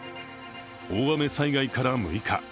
大雨災害から６日。